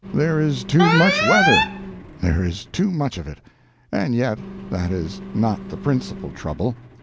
There is too much weather. There is too much of it, and yet that is not the principal trouble.